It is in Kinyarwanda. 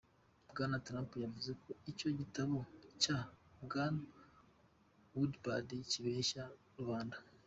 Bwana Trump yavuze ko icyo gitabo cya Bwana Woodward "kibeshya rubanda.